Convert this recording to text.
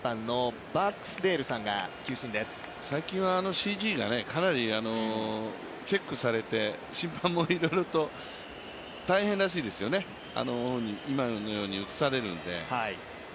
最近はＣＧがかなりチェックされて、審判もいろいろと大変らしいですよね、今のように映されるんで。